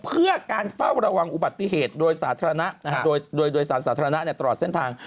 เพื่อการเฝ้าระวังอุบัติเหตุโดยสารสาธารณะตลอดเส้นทาง